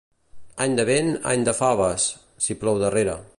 Any de vent, any de faves... si plou darrere.